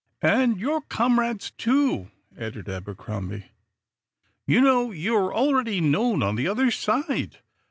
"And your comrades, too," added Abercrombie. "You know, you're already known on the other side.